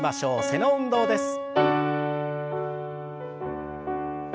背の運動です。